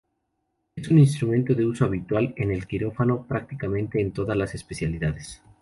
Es un instrumento de uso habitual en el quirófano, prácticamente en todas las especialidades.